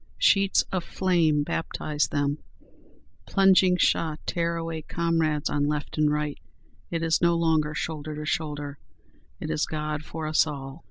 Sheets of flame baptize them; plunging shot tear away comrades on left and right; it is no longer shoulder to shoulder; it is God for us all!